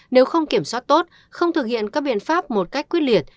nếu không kiểm soát tốt không thực hiện các biện pháp một cách quyết liệt